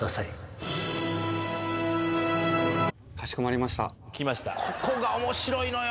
かしこまりました。